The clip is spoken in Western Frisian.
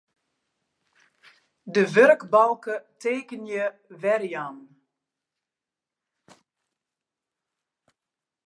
De wurkbalke Tekenje werjaan.